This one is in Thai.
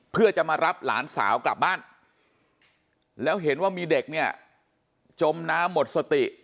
เพื่อจะมารับหลานสาวกลับบ้านแล้วเห็นว่ามีเด็กเนี่ยจมน้ำหมดสติ